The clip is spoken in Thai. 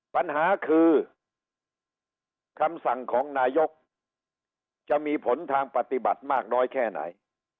ปัญหาคือคำสั่งของนายกจะมีผลทางปฏิบัติมากน้อยแค่ไหน